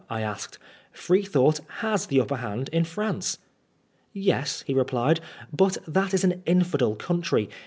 I asked. " Freethought has the upper hand in France." " Yes," he replied, " but that is an infidel country.